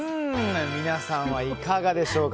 皆さんはいかがでしょうか？